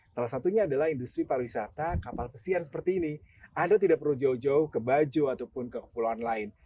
salah satunya adalah industri pariwisata kapal pesiar seperti ini anda tidak perlu jauh jauh ke bajo ataupun ke kepulauan lain